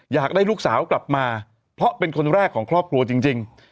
อยากได้ลูกสาวกลับมาเพราะเป็นคนแรกของครอบครัวจริง